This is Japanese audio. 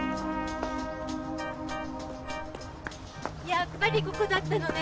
やっぱりここだったのね。